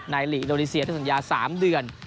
ในหลีอินโดรีเซียทั้งสัญญา๓เดือน